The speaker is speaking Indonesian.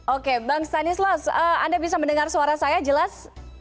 oke bang stanislas anda bisa mendengar suara saya jelas